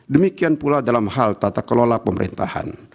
demikian pula dalam hal tata kelola pemerintahan